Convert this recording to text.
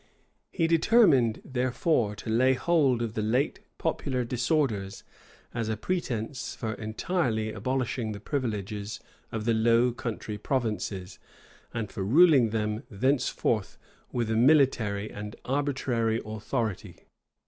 He determined, therefore, to lay hold of the late popular disorders as a pretence for entirely abolishing the privileges of the Low Country provinces, and for ruling them thenceforth with a military and arbitrary authority.